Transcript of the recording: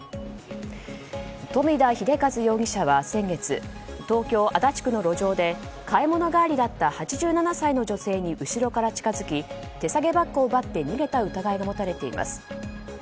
富田秀和容疑者は先月東京・足立区の路上で買い物帰りだった８７歳の女性に後ろから近づき手提げバッグを奪って逃げた疑いが持たれています。